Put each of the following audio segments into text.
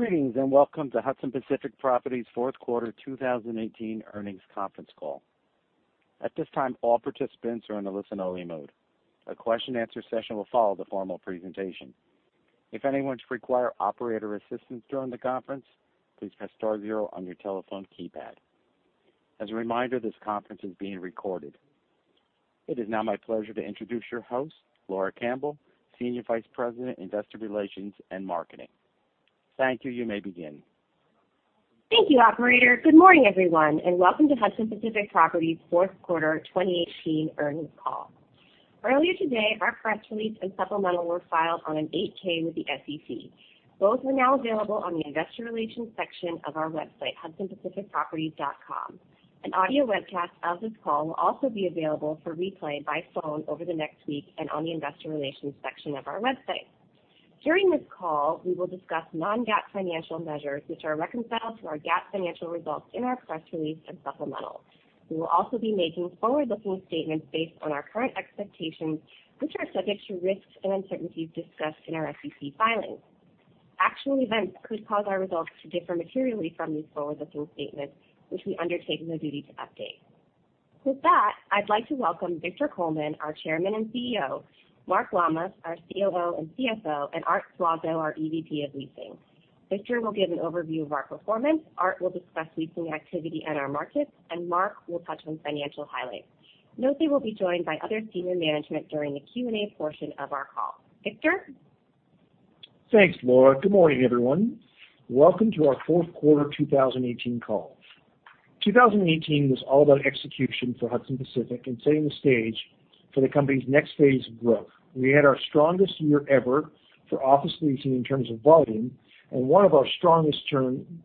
Greetings, welcome to Hudson Pacific Properties' fourth quarter 2018 earnings conference call. At this time, all participants are in a listen-only mode. A question-answer session will follow the formal presentation. If anyone should require operator assistance during the conference, please press star zero on your telephone keypad. As a reminder, this conference is being recorded. It is now my pleasure to introduce your host, Laura Campbell, Senior Vice President, Investor Relations and Marketing. Thank you. You may begin. Thank you, operator. Good morning, everyone, welcome to Hudson Pacific Properties' fourth quarter 2018 earnings call. Earlier today, our press release and supplemental were filed on an 8-K with the SEC. Both are now available on the investor relations section of our website, hudsonpacificproperties.com. An audio webcast of this call will also be available for replay by phone over the next week and on the investor relations section of our website. During this call, we will discuss non-GAAP financial measures which are reconciled to our GAAP financial results in our press release and supplemental. We will also be making forward-looking statements based on our current expectations, which are subject to risks and uncertainties discussed in our SEC filings. Actual events could cause our results to differ materially from these forward-looking statements, which we undertake no duty to update. With that, I'd like to welcome Victor Coleman, our Chairman and CEO, Mark Lammas, our COO and CFO, and Arthur Suazo, our EVP of Leasing. Victor will give an overview of our performance, Art will discuss leasing activity in our markets, and Mark will touch on financial highlights. Note they will be joined by other senior management during the Q&A portion of our call. Victor? Thanks, Laura. Good morning, everyone. Welcome to our fourth quarter 2018 call. 2018 was all about execution for Hudson Pacific and setting the stage for the company's next phase of growth. We had our strongest year ever for office leasing in terms of volume and one of our strongest in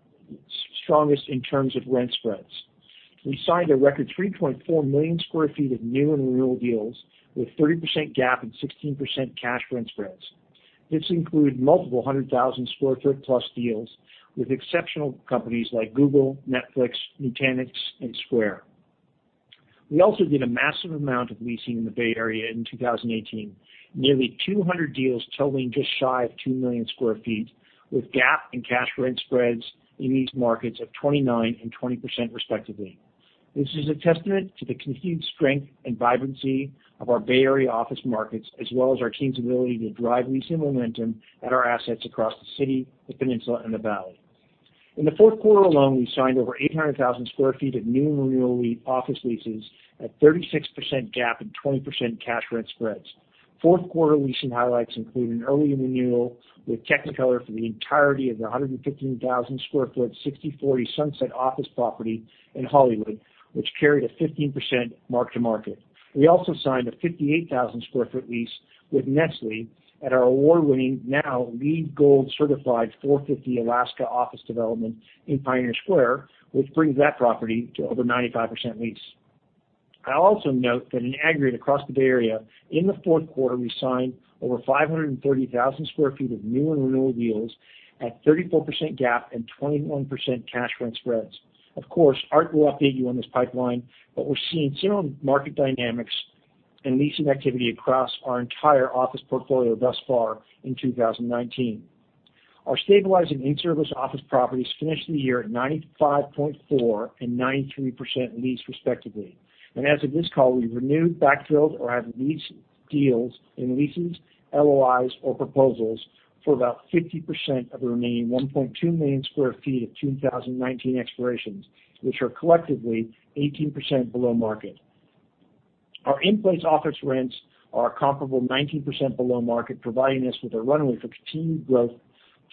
terms of rent spreads. We signed a record 3.4 million sq ft of new and renewal deals with 30% GAAP and 16% cash rent spreads. This included multiple 100,000 sq ft plus deals with exceptional companies like Google, Netflix, Nutanix and Square. We also did a massive amount of leasing in the Bay Area in 2018, nearly 200 deals totaling just shy of 2 million sq ft, with GAAP and cash rent spreads in these markets of 29% and 20% respectively. This is a testament to the continued strength and vibrancy of our Bay Area office markets, as well as our team's ability to drive leasing momentum at our assets across the city, the peninsula, and the valley. In the fourth quarter alone, we signed over 800,000 square feet of new and renewal office leases at 36% GAAP and 20% cash rent spreads. Fourth quarter leasing highlights include an early renewal with Technicolor for the entirety of their 115,000 square foot, 6040 Sunset office property in Hollywood, which carried a 15% mark-to-market. We also signed a 58,000 square foot lease with Nestlé at our award-winning, now LEED Gold certified 450 Alaskan office development in Pioneer Square, which brings that property to over 95% leased. I also note that in aggregate across the Bay Area, in the fourth quarter, we signed over 530,000 square feet of new and renewal deals at 34% GAAP and 21% cash rent spreads. Of course, Art will update you on this pipeline, but we're seeing similar market dynamics and leasing activity across our entire office portfolio thus far in 2019. Our stabilizing in-service office properties finished the year at 95.4% and 93% leased respectively. As of this call, we've renewed, backfilled, or have lease deals and leases, LOIs, or proposals for about 50% of the remaining 1.2 million square feet of 2019 expirations, which are collectively 18% below market. Our in-place office rents are a comparable 19% below market, providing us with a runway for continued growth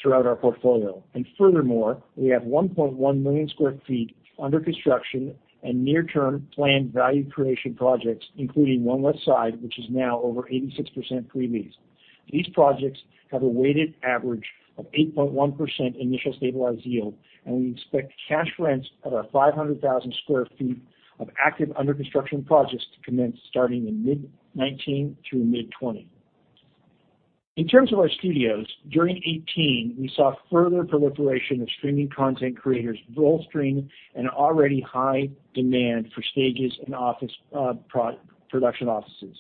throughout our portfolio. Furthermore, we have 1.1 million square feet under construction and near-term planned value creation projects, including One Westside, which is now over 86% pre-leased. These projects have a weighted average of 8.1% initial stabilized yield, and we expect cash rents of our 500,000 square feet of active under construction projects to commence starting in mid 2019 through mid 2020. In terms of our studios, during 2018, we saw further proliferation of streaming content creators roll stream and already high demand for stages and production offices.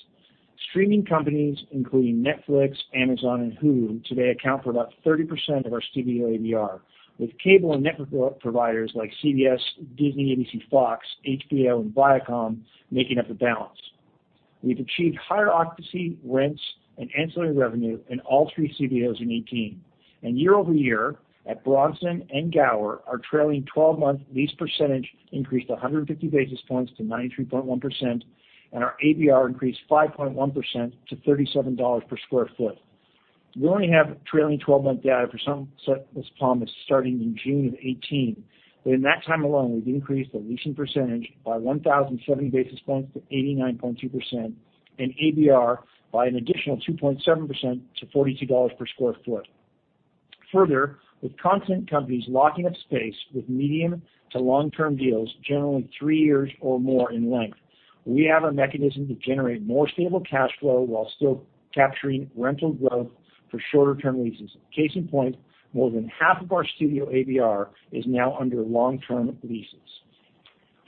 Streaming companies including Netflix, Amazon, and Hulu today account for about 30% of our studio AVR, with cable and network providers like CBS, Disney, ABC, Fox, HBO, and Viacom making up the balance. We've achieved higher occupancy rents and ancillary revenue in all three studios in 2018. Year-over-year at Bronson and Gower, our trailing 12-month lease percentage increased 150 basis points to 93.1%, and our AVR increased 5.1% to $37 per square foot. We only have trailing 12-month data for Sunset Las Palmas starting in June of 2018. In that time alone, we've increased the leasing percentage by 1,070 basis points to 89.2%, and AVR by an additional 2.7% to $42 per square foot. Further, with content companies locking up space with medium to long-term deals, generally three years or more in length, we have a mechanism to generate more stable cash flow while still capturing rental growth for shorter term leases. Case in point, more than half of our studio AVR is now under long-term leases.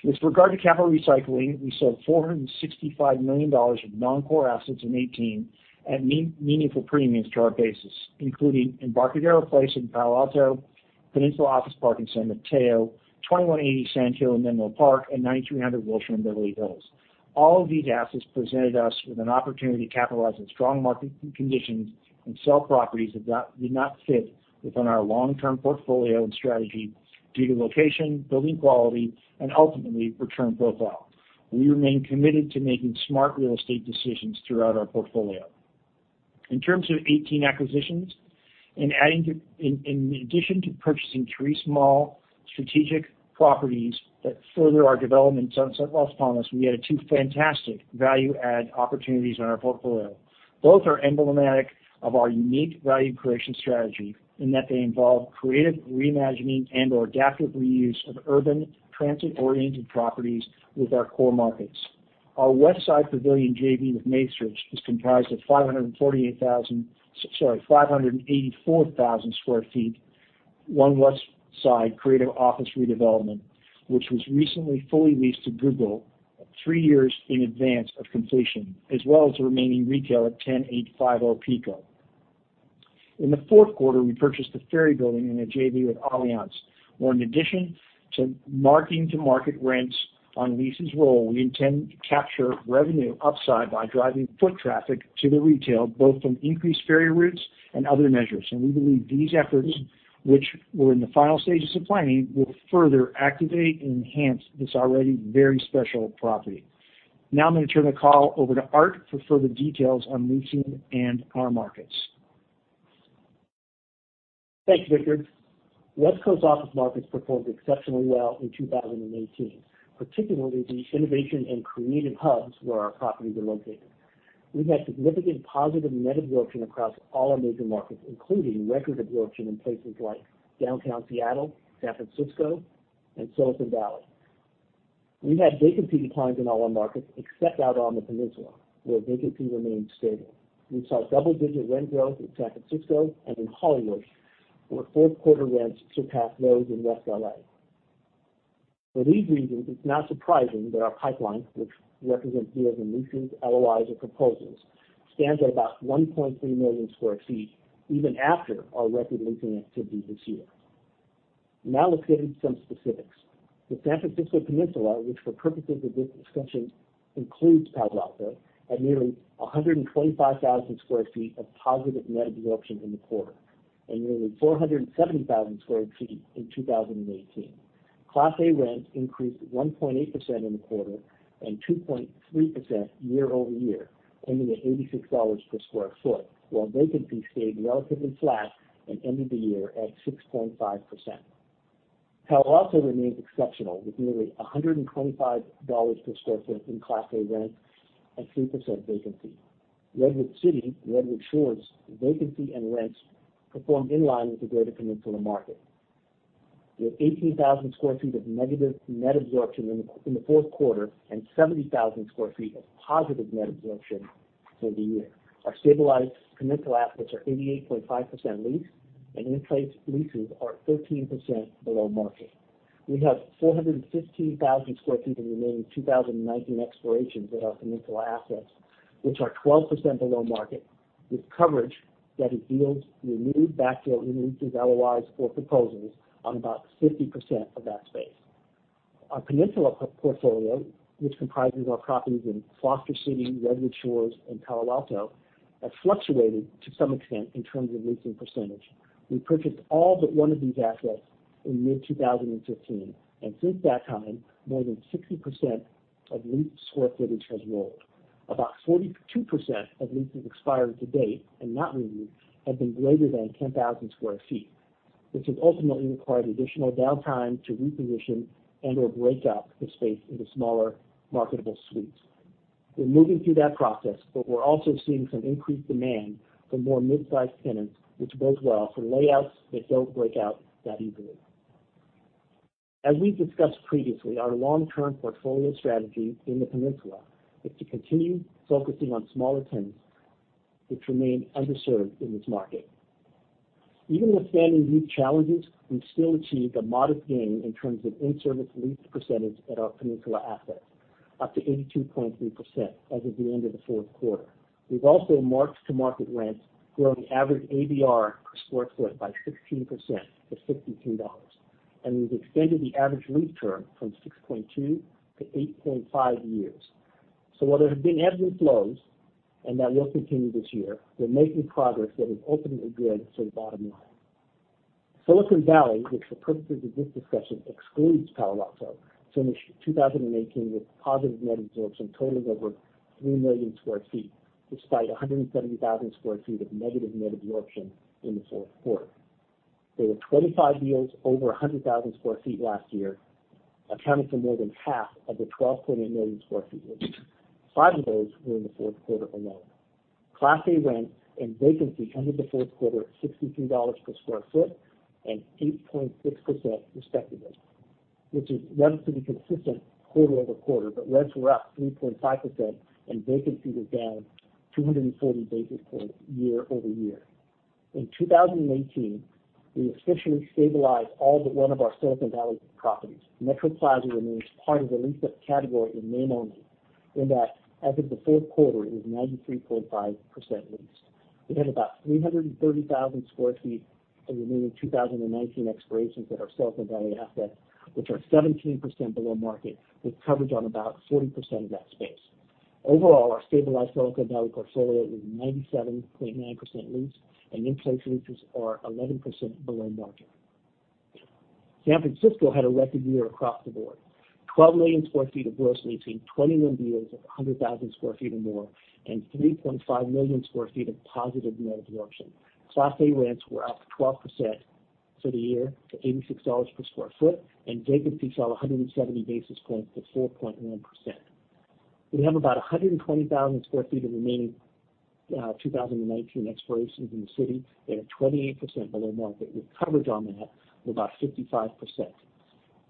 With regard to capital recycling, we sold $465 million of non-core assets in 2018 at meaningful premiums to our basis, including Embarcadero Place in Palo Alto, Peninsula Office Park in San Mateo, 2180 Sand Hill in Menlo Park, and 9300 Wilshire in Beverly Hills. All of these assets presented us with an opportunity to capitalize on strong market conditions and sell properties that did not fit within our long-term portfolio and strategy due to location, building quality, and ultimately, return profile. We remain committed to making smart real estate decisions throughout our portfolio. In terms of 2018 acquisitions, in addition to purchasing three small strategic properties that further our development in Sunset Las Palmas, we added two fantastic value-add opportunities in our portfolio. Both are emblematic of our unique value creation strategy in that they involve creative reimagining and/or adaptive reuse of urban transit-oriented properties with our core markets. Our Westside Pavilion JV with Macerich is comprised of 584,000 sq ft, One Westside creative office redevelopment, which was recently fully leased to Google three years in advance of completion, as well as the remaining retail at 1085 Pico. In the fourth quarter, we purchased the Ferry Building in a JV with Allianz, where in addition to marking to market rents on leases roll, we intend to capture revenue upside by driving foot traffic to the retail, both from increased Ferry routes and other measures. We believe these efforts, which were in the final stages of planning, will further activate and enhance this already very special property. Now I'm going to turn the call over to Art for further details on leasing and our markets. Thanks, Victor. West Coast office markets performed exceptionally well in 2018, particularly the innovation and creative hubs where our properties are located. We've had significant positive net absorption across all our major markets, including records of absorption in places like downtown Seattle, San Francisco, and Silicon Valley. We've had vacancy declines in all our markets except out on the Peninsula, where vacancy remains stable. We saw double-digit rent growth in San Francisco and in Hollywood, where fourth quarter rents surpassed those in West L.A. For these reasons, it's not surprising that our pipeline, which represents deals in leases, LOIs, or proposals, stands at about 1.3 million sq ft even after our record leasing activity this year. Now let's get into some specifics. The San Francisco Peninsula, which for purposes of this discussion includes Palo Alto, had nearly 125,000 square feet of positive net absorption in the quarter and nearly 470,000 square feet in 2018. Class A rents increased 1.8% in the quarter and 2.3% year-over-year, ending at $86 per square foot, while vacancy stayed relatively flat and ended the year at 6.5%. Palo Alto remains exceptional with nearly $125 per square foot in Class A rents and 3% vacancy. Redwood City, Redwood Shores vacancy and rents performed in line with the greater Peninsula market. We had 18,000 square feet of negative net absorption in the fourth quarter and 70,000 square feet of positive net absorption for the year. Our stabilized Peninsula assets are 88.5% leased, and in-place leases are 13% below market. We have 415,000 square feet of remaining 2019 expirations at our Peninsula assets, which are 12% below market, with coverage that is deals we renewed back to our renews as LOIs or proposals on about 50% of that space. Our Peninsula portfolio, which comprises our properties in Foster City, Redwood Shores, and Palo Alto, has fluctuated to some extent in terms of leasing percentage. We purchased all but one of these assets in mid-2015, and since that time, more than 60% of leased square footage has rolled. About 42% of leases expired to date and not renewed have been greater than 10,000 square feet, which would ultimately require additional downtime to reposition and/or break up the space into smaller marketable suites. We're moving through that process, but we're also seeing some increased demand for more midsize tenants, which bodes well for layouts that don't break out that easily. As we discussed previously, our long-term portfolio strategy in the Peninsula is to continue focusing on smaller tenants, which remain underserved in this market. Even with standing lease challenges, we still achieved a modest gain in terms of in-service lease percentage at our Peninsula assets, up to 82.3% as of the end of the fourth quarter. We've also marked to market rents, growing average ADR per square foot by 16% to $62. We've extended the average lease term from 6.2 to 8.5 years. While there have been ebbs and flows, and that will continue this year, we're making progress that is ultimately good for the bottom line. Silicon Valley, which for purposes of this discussion excludes Palo Alto, finished 2018 with positive net absorption totaling over 3 million square feet, despite 170,000 square feet of negative net absorption in the fourth quarter. There were 25 deals over 100,000 square feet last year, accounting for more than half of the 12.8 million square feet leased. Five of those were in the fourth quarter alone. Class A rents and vacancy ended the fourth quarter at $63 per square foot and 8.6%, respectively, which is relatively consistent quarter-over-quarter. Rents were up 3.5% and vacancy was down 240 basis points year-over-year. In 2018, we officially stabilized all but one of our Silicon Valley properties. Metro Plaza remains part of the lease-up category in name only, in that as of the fourth quarter, it is 93.5% leased. We have about 330,000 square feet of remaining 2019 expirations at our Silicon Valley assets, which are 17% below market, with coverage on about 40% of that space. Overall, our stabilized Silicon Valley portfolio is 97.9% leased, and in-place leases are 11% below market. San Francisco had a record year across the board. 12 million sq ft of gross leasing, 21 deals of 100,000 sq ft or more, and 3.5 million sq ft of positive net absorption. Class A rents were up 12% for the year to $86 per sq ft, and vacancy fell 170 basis points to 4.1%. We have about 120,000 sq ft of remaining 2019 expirations in the city that are 28% below market, with coverage on that of about 55%.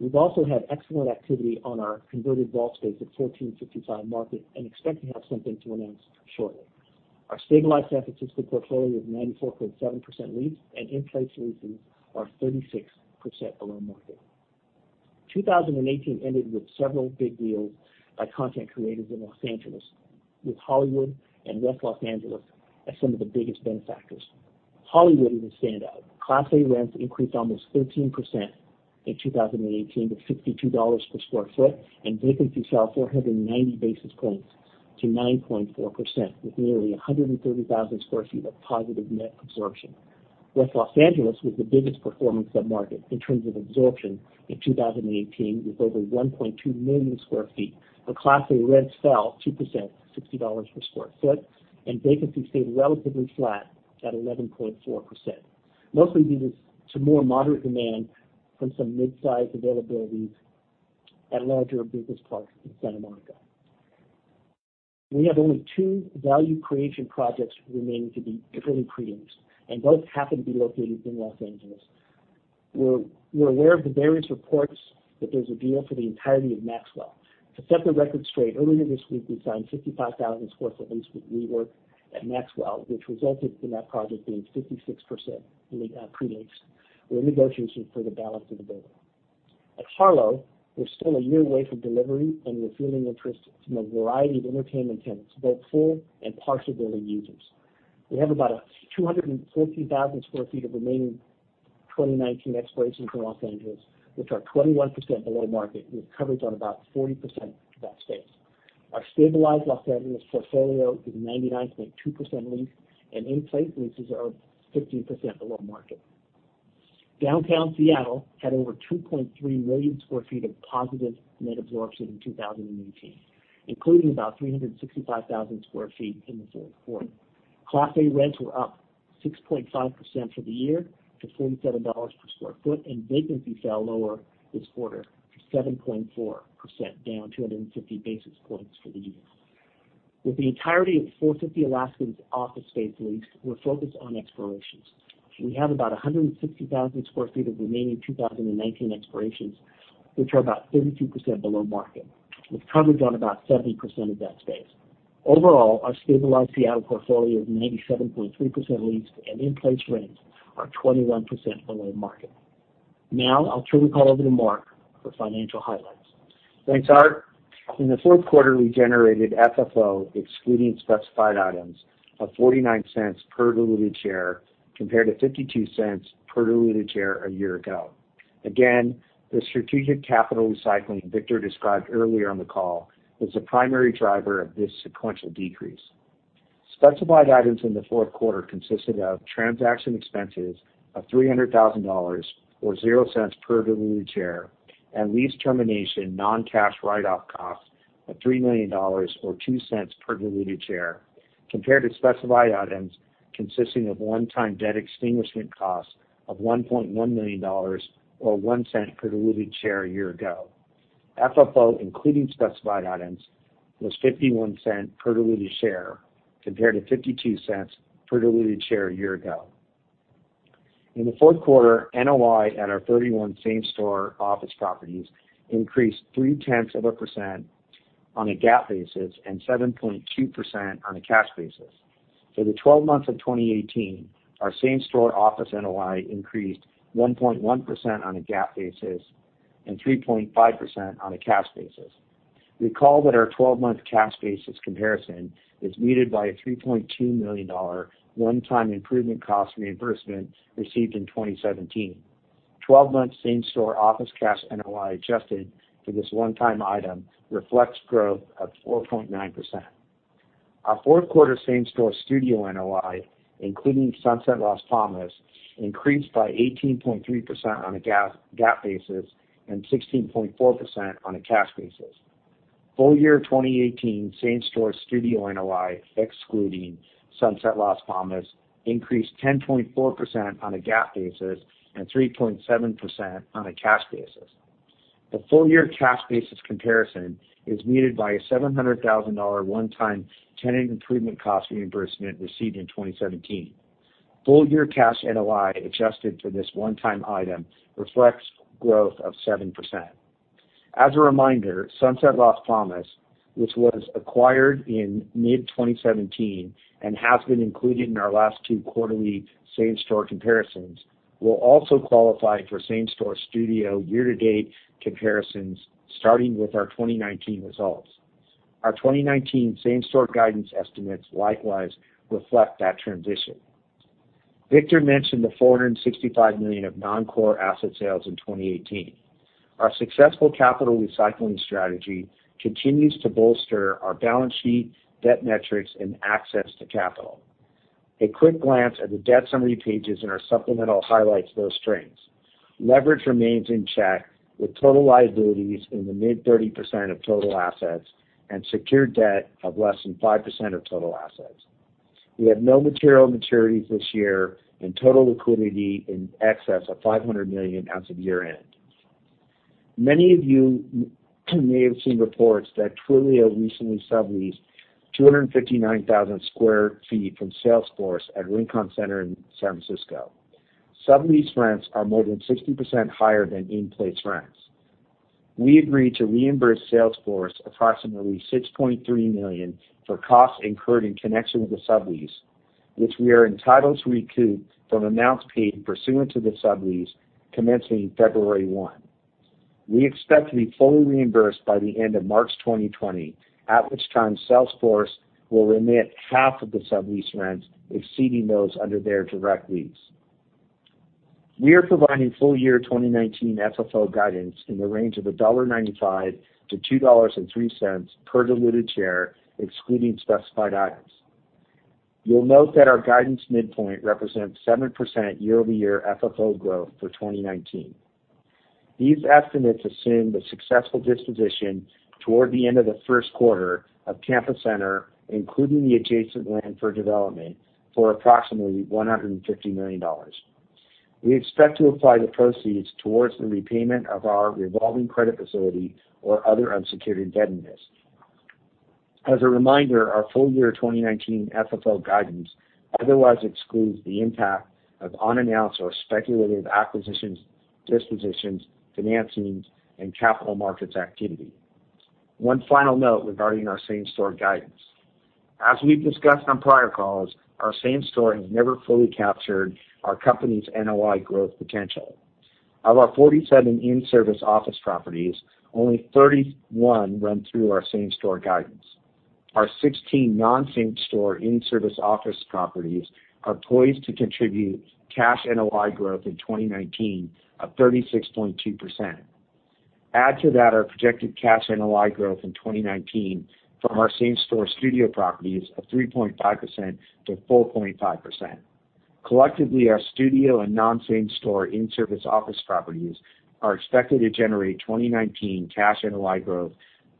We've also had excellent activity on our converted wall space at 1455 Market and expect to have something to announce shortly. Our stabilized San Francisco portfolio is 94.7% leased, and in-place leases are 36% below market. 2018 ended with several big deals by content creators in Los Angeles, with Hollywood and West Los Angeles as some of the biggest benefactors. Hollywood is a standout. Class A rents increased almost 13% in 2018 to $62 per sq ft, and vacancy fell 490 basis points to 9.4%, with nearly 130,000 sq ft of positive net absorption. West Los Angeles was the biggest performing submarket in terms of absorption in 2018 with over 1.2 million sq ft, where Class A rents fell 2%, $60 per sq ft, and vacancy stayed relatively flat at 11.4%, mostly due to some more moderate demand from some mid-size availabilities at larger business parks in Santa Monica. We have only two value creation projects remaining to be fully pre-leased, and both happen to be located in Los Angeles. We're aware of the various reports that there's a deal for the entirety of Maxwell. To set the record straight, earlier this week, we signed 55,000 sq ft lease with WeWork at Maxwell, which resulted in that project being 56% pre-leased. We're in negotiation for the balance of the building. At Harlow, we're still a year away from delivery, and we're feeling interest from a variety of entertainment tenants, both full and partial building users. We have about 214,000 sq ft of remaining 2019 expirations in Los Angeles, which are 21% below market, with coverage on about 40% of that space. Our stabilized Los Angeles portfolio is 99.2% leased, and in-place leases are 15% below market. Downtown Seattle had over 2.3 million sq ft of positive net absorption in 2018, including about 365,000 sq ft in the fourth quarter. Class A rents were up 6.5% for the year to $47 per sq ft, and vacancy fell lower this quarter to 7.4%, down 250 basis points for the year. With the entirety of 450 Alaskan's office space leased, we're focused on expirations. We have about 160,000 sq ft of remaining 2019 expirations, which are about 32% below market. With coverage on about 70% of that space. Overall, our stabilized Seattle portfolio is 97.3% leased, and in-place rents are 21% below market. I'll turn the call over to Mark for financial highlights. Thanks, Art. In the fourth quarter, we generated FFO, excluding specified items, of $0.49 per diluted share, compared to $0.52 per diluted share a year ago. Again, the strategic capital recycling Victor described earlier on the call was the primary driver of this sequential decrease. Specified items in the fourth quarter consisted of transaction expenses of $300,000, or $0.00 per diluted share, and lease termination non-cash write-off costs of $3 million, or $0.02 per diluted share, compared to specified items consisting of one-time debt extinguishment costs of $1.1 million, or $0.01 per diluted share a year ago. FFO, including specified items, was $0.51 per diluted share, compared to $0.52 per diluted share a year ago. In the fourth quarter, NOI at our 31 same-store office properties increased 0.3% on a GAAP basis and 7.2% on a cash basis. For the 12 months of 2018, our same-store office NOI increased 1.1% on a GAAP basis and 3.5% on a cash basis. Recall that our 12-month cash basis comparison is muted by a $3.2 million one-time improvement cost reimbursement received in 2017. 12-month same-store office cash NOI adjusted for this one-time item reflects growth of 4.9%. Our fourth quarter same-store studio NOI, including Sunset Las Palmas, increased by 18.3% on a GAAP basis and 16.4% on a cash basis. Full year 2018 same-store studio NOI, excluding Sunset Las Palmas, increased 10.4% on a GAAP basis and 3.7% on a cash basis. The full year cash basis comparison is muted by a $700,000 one-time Tenant Improvement cost reimbursement received in 2017. Full year cash NOI adjusted for this one-time item reflects growth of 7%. As a reminder, Sunset Las Palmas, which was acquired in mid-2017 and has been included in our last two quarterly same-store comparisons, will also qualify for same-store studio year-to-date comparisons starting with our 2019 results. Our 2019 same-store guidance estimates likewise reflect that transition. Victor mentioned the $465 million of non-core asset sales in 2018. Our successful capital recycling strategy continues to bolster our balance sheet, debt metrics, and access to capital. A quick glance at the debt summary pages in our supplemental highlights those strengths. Leverage remains in check with total liabilities in the mid-30% of total assets and secured debt of less than 5% of total assets. We have no material maturities this year and total liquidity in excess of $500 million as of year-end. Many of you may have seen reports that Twilio recently subleased 259,000 sq ft from Salesforce at Rincon Center in San Francisco. Sublease rents are more than 60% higher than in-place rents. We agreed to reimburse Salesforce approximately $6.3 million for costs incurred in connection with the sublease, which we are entitled to recoup from amounts paid pursuant to the sublease commencing February 1. We expect to be fully reimbursed by the end of March 2020, at which time Salesforce will remit half of the sublease rents exceeding those under their direct lease. We are providing full-year 2019 FFO guidance in the range of $1.95-$2.03 per diluted share, excluding specified items. You'll note that our guidance midpoint represents 7% year-over-year FFO growth for 2019. These estimates assume the successful disposition toward the end of the first quarter of Campus Center, including the adjacent land for development, for approximately $150 million. We expect to apply the proceeds towards the repayment of our revolving credit facility or other unsecured indebtedness. As a reminder, our full-year 2019 FFO guidance otherwise excludes the impact of unannounced or speculative acquisitions, dispositions, financings, and capital markets activity. One final note regarding our same-store guidance. As we've discussed on prior calls, our same store has never fully captured our company's NOI growth potential. Of our 47 in-service office properties, only 31 run through our same-store guidance. Our 16 non-same store in-service office properties are poised to contribute cash NOI growth in 2019 of 36.2%. Add to that our projected cash NOI growth in 2019 from our same-store studio properties of 3.5%-4.5%. Collectively, our studio and non-same store in-service office properties are expected to generate 2019 cash NOI growth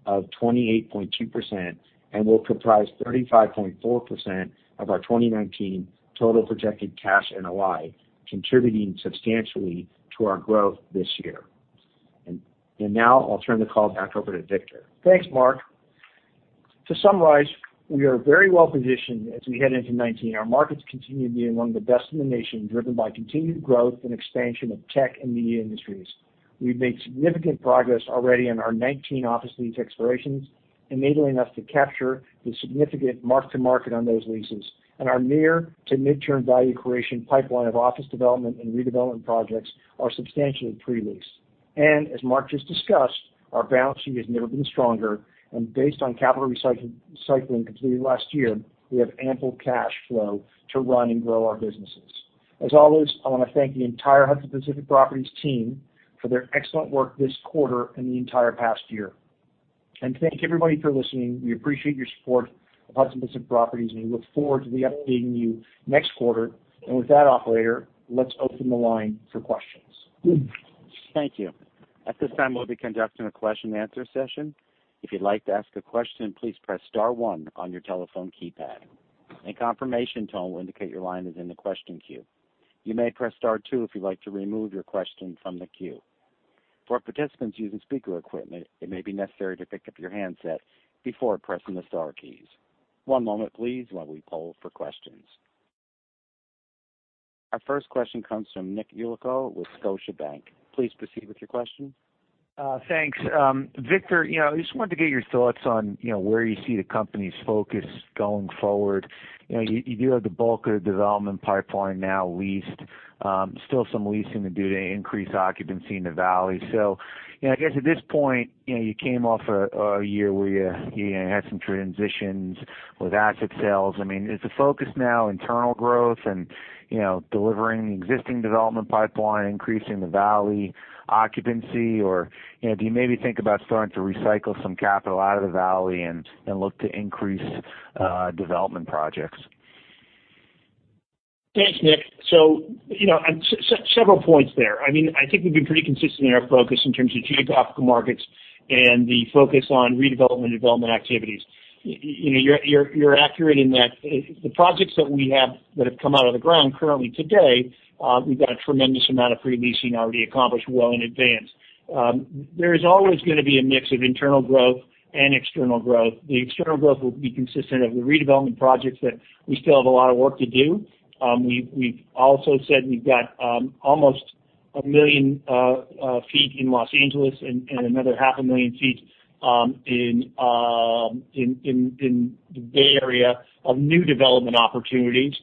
of 28.2% and will comprise 35.4% of our 2019 total projected cash NOI, contributing substantially to our growth this year. Now I'll turn the call back over to Victor. Thanks, Mark. To summarize, we are very well positioned as we head into 2019. Our markets continue to be among the best in the nation, driven by continued growth and expansion of tech and media industries. We've made significant progress already on our 2019 office lease expirations, enabling us to capture the significant mark-to-market on those leases. Our near to mid-term value creation pipeline of office development and redevelopment projects are substantially pre-leased. As Mark just discussed, our balance sheet has never been stronger, and based on capital recycling completed last year, we have ample cash flow to run and grow our businesses. As always, I want to thank the entire Hudson Pacific Properties team for their excellent work this quarter and the entire past year. Thank everybody for listening. We appreciate your support of Hudson Pacific Properties, and we look forward to updating you next quarter. With that, operator, let's open the line for questions. Thank you. At this time, we'll be conducting a question and answer session. If you'd like to ask a question, please press star one on your telephone keypad. A confirmation tone will indicate your line is in the question queue. You may press star two if you'd like to remove your question from the queue. For participants using speaker equipment, it may be necessary to pick up your handset before pressing the star keys. One moment please, while we poll for questions. Our first question comes from Nicholas Yulico with Scotiabank. Please proceed with your question. Thanks. Victor, I just wanted to get your thoughts on where you see the company's focus going forward. You do have the bulk of the development pipeline now leased. Still some leasing to do to increase occupancy in the Valley. I guess at this point, you came off a year where you had some transitions with asset sales. I mean, is the focus now internal growth and delivering the existing development pipeline, increasing the Valley occupancy? Do you maybe think about starting to recycle some capital out of the Valley and look to increase development projects? Thanks, Nick. Several points there. I think we've been pretty consistent in our focus in terms of geographical markets and the focus on redevelopment activities. You're accurate in that the projects that we have that have come out of the ground currently today, we've got a tremendous amount of pre-leasing already accomplished well in advance. There is always going to be a mix of internal growth and external growth. The external growth will be consistent of the redevelopment projects that we still have a lot of work to do. We've also said we've got almost a million feet in Los Angeles and another half a million feet in the Bay Area of new development opportunities.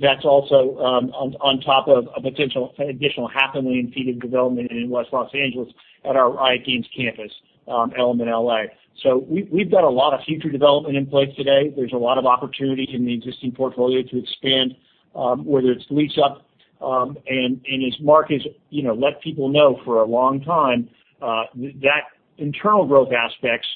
That's also on top of a potential additional half a million feet of development in West Los Angeles at our ICON campus, Element L.A. We've got a lot of future development in place today. There's a lot of opportunity in the existing portfolio to expand, whether it's lease-up, and as Mark has let people know for a long time, that internal growth aspects,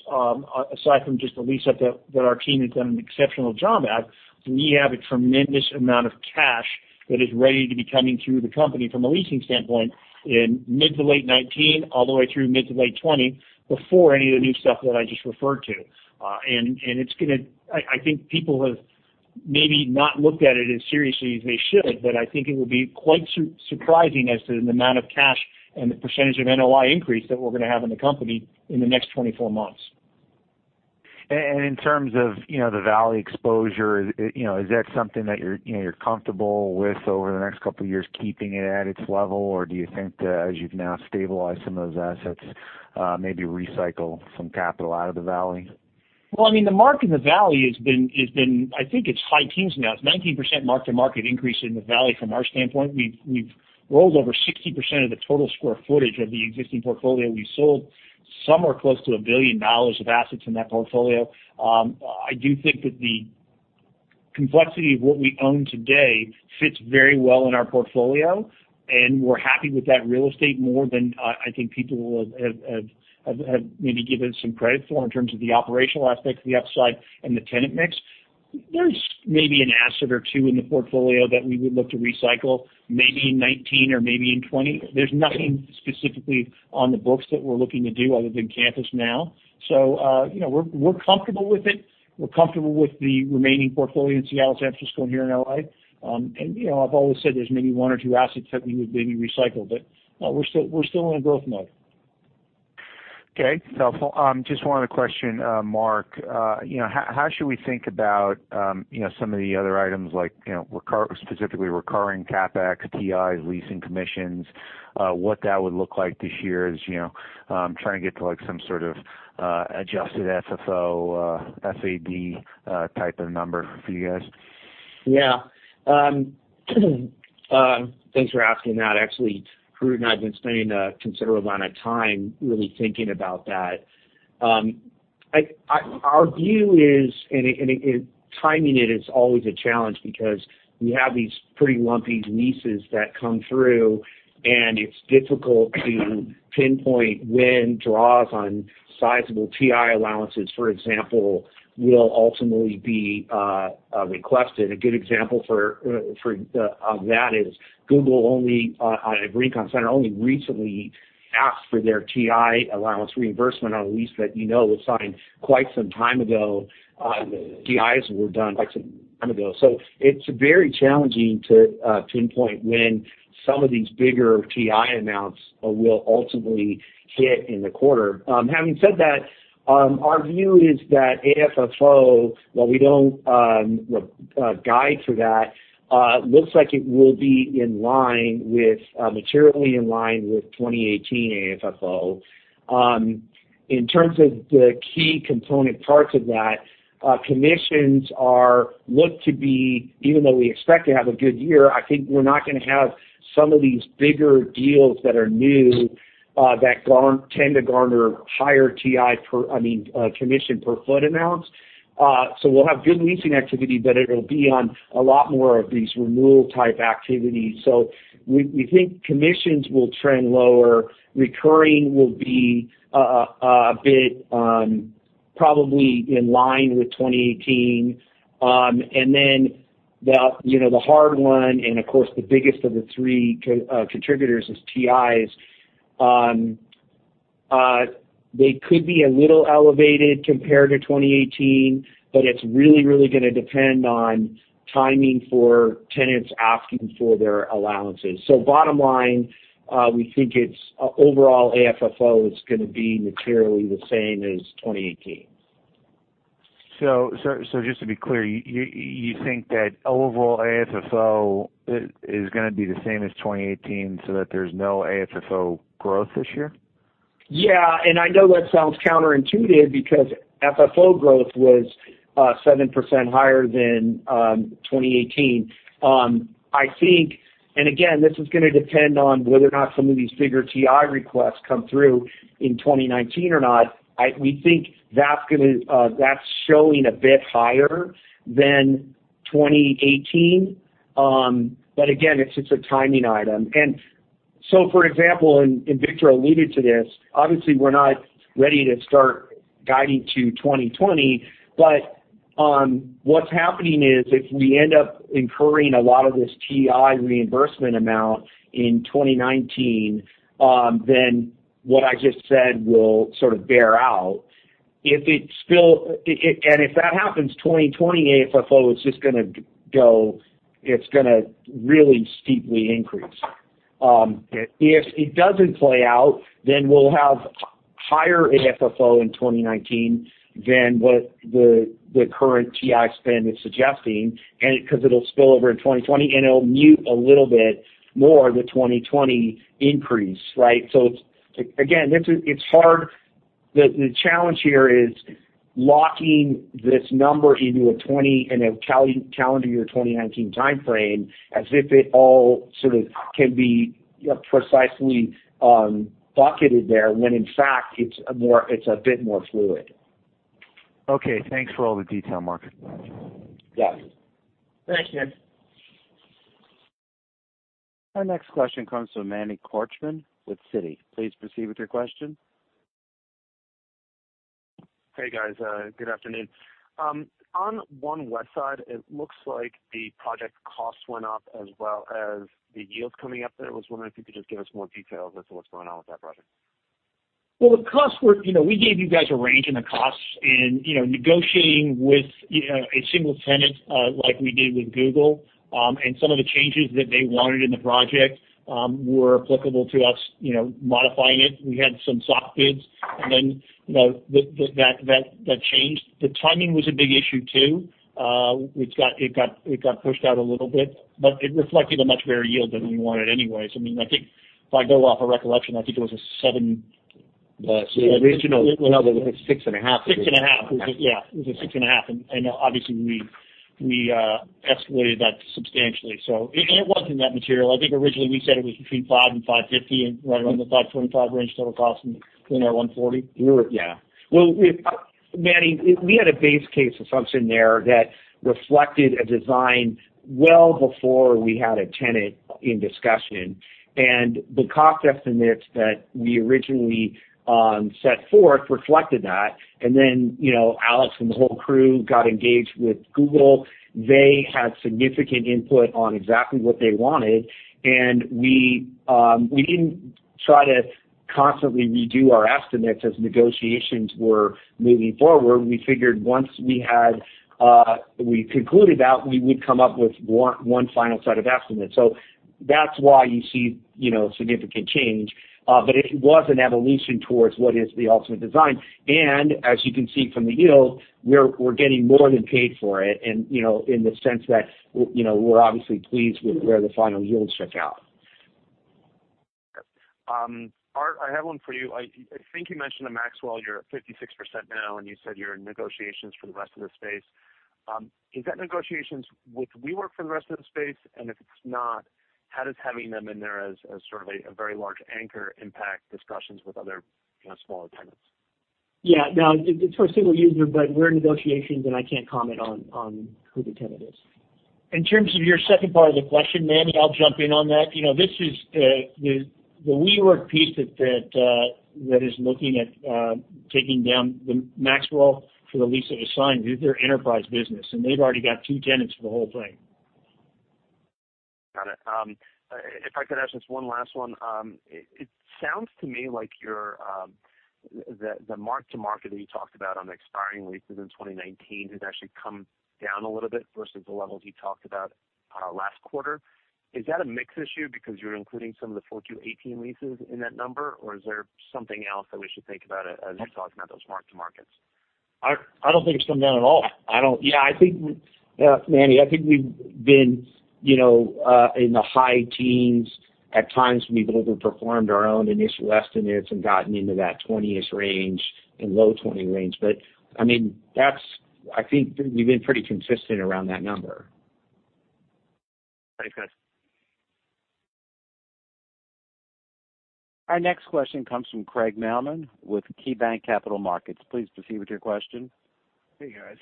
aside from just the lease-up that our team has done an exceptional job at, we have a tremendous amount of cash that is ready to be coming through the company from a leasing standpoint in mid to late 2019, all the way through mid to late 2020, before any of the new stuff that I just referred to. I think people have maybe not looked at it as seriously as they should, I think it will be quite surprising as to the amount of cash and the percentage of NOI increase that we're going to have in the company in the next 24 months. In terms of the Valley exposure, is that something that you're comfortable with over the next couple of years, keeping it at its level? Or do you think that as you've now stabilized some of those assets, maybe recycle some capital out of the Valley? The market in the Valley, I think it's high teens now. It's 19% mark-to-market increase in the Valley from our standpoint. We've rolled over 60% of the total square footage of the existing portfolio. We've sold somewhere close to $1 billion of assets in that portfolio. I do think that the complexity of what we own today fits very well in our portfolio, and we're happy with that real estate more than I think people have maybe given some credit for in terms of the operational aspects of the upside and the tenant mix. There's maybe an asset or two in the portfolio that we would look to recycle, maybe in 2019 or maybe in 2020. There's nothing specifically on the books that we're looking to do other than campus now. We're comfortable with it. We're comfortable with the remaining portfolio in Seattle, San Francisco, and here in L.A. I've always said there's maybe one or two assets that we would maybe recycle, but we're still in a growth mode. Just one other question, Mark. How should we think about some of the other items like, specifically recurring CapEx, TIs, leasing commissions, what that would look like this year as, trying to get to some sort of adjusted FFO, FAD type of number for you guys. Yeah. Thanks for asking that. Actually, Drew and I have been spending a considerable amount of time really thinking about that. Our view is, timing it is always a challenge because we have these pretty lumpy leases that come through, and it's difficult to pinpoint when draws on sizable TI allowances, for example, will ultimately be requested. A good example of that is Google, on Rincon Center, only recently asked for their TI allowance reimbursement on a lease that you know was signed quite some time ago. The TIs were done quite some time ago. It's very challenging to pinpoint when some of these bigger TI amounts will ultimately hit in the quarter. Having said that, our view is that AFFO, while we don't guide to that, looks like it will be materially in line with 2018 AFFO. In terms of the key component parts of that, commissions are looked to be, even though we expect to have a good year, I think we're not going to have some of these bigger deals that are new, that tend to garner higher commission-per-foot amounts. We'll have good leasing activity, but it'll be on a lot more of these renewal-type activities. We think commissions will trend lower. Recurring will be a bit probably in line with 2018. The hard one, and of course, the biggest of the three contributors is TIs. They could be a little elevated compared to 2018, but it's really going to depend on timing for tenants asking for their allowances. Bottom line, we think its overall AFFO is going to be materially the same as 2018. Just to be clear, you think that overall AFFO is going to be the same as 2018, so that there's no AFFO growth this year? Yeah. I know that sounds counterintuitive because FFO growth was 7% higher than 2018. I think, again, this is going to depend on whether or not some of these bigger TI requests come through in 2019 or not. We think that's showing a bit higher than 2018. Again, it's just a timing item. For example, Victor alluded to this, obviously, we're not ready to start guiding to 2020, but what's happening is if we end up incurring a lot of this TI reimbursement amount in 2019, then what I just said will sort of bear out. If that happens, 2020 AFFO is just going to really steeply increase. If it doesn't play out, then we'll have Higher AFFO in 2019 than what the current TI spend is suggesting, and because it'll spill over in 2020, and it'll mute a little bit more the 2020 increase, right? Again, the challenge here is locking this number into a calendar year 2019 timeframe as if it all sort of can be precisely bucketed there, when in fact it's a bit more fluid. Okay. Thanks for all the detail, Mark. Yes. Thanks, Dan. Our next question comes from Emmanuel Korchman with Citi. Please proceed with your question. Hey, guys. Good afternoon. On One Westside, it looks like the project cost went up as well as the yield coming up there. I was wondering if you could just give us more details as to what's going on with that project. Well, we gave you guys a range in the costs. Negotiating with a single tenant like we did with Google, and some of the changes that they wanted in the project were applicable to us modifying it. We had some soft bids. Then that changed. The timing was a big issue, too. It got pushed out a little bit. It reflected a much better yield than we wanted anyways. I think if I go off of recollection, I think it was a six and a half. It was a six and a half, and obviously we escalated that substantially. It wasn't that material. I think originally we said it was between $5 and $550, and right around the $525 range total cost in our $140. Yeah. Well, Manny, we had a base case assumption there that reflected a design well before we had a tenant in discussion. The cost estimates that we originally set forth reflected that. Then Alex and the whole crew got engaged with Google. They had significant input on exactly what they wanted. We didn't try to constantly redo our estimates as negotiations were moving forward. We figured once we concluded that, we would come up with one final set of estimates. That's why you see significant change. It was an evolution towards what is the ultimate design. As you can see from the yield, we're getting more than paid for it. In the sense that we're obviously pleased with where the final yield shook out. Art, I have one for you. I think you mentioned to Maxwell you're at 56% now. You said you're in negotiations for the rest of the space. Is that negotiations with WeWork for the rest of the space? If it's not, how does having them in there as sort of a very large anchor impact discussions with other smaller tenants? Yeah. No, it's for a single user, but we're in negotiations, and I can't comment on who the tenant is. In terms of your second part of the question, Manny, I'll jump in on that. The WeWork piece that is looking at taking down the Maxwell for the [lease they signed] is their enterprise business, and they've already got two tenants for the whole thing. Got it. If I could ask just one last one. It sounds to me like the mark to market that you talked about on the expiring leases in 2019 has actually come down a little bit versus the levels you talked about last quarter. Is that a mix issue because you're including some of the full 4Q 2018 leases in that number, or is there something else that we should think about as you're talking about those mark to markets? I don't think it's come down at all. Manny, I think we've been in the high teens. At times, we've overperformed our own initial estimates and gotten into that 20-ish range and low 20 range. I think we've been pretty consistent around that number. Thanks, guys. Our next question comes from Craig Mailman with KeyBank Capital Markets. Please proceed with your question. Hey, guys.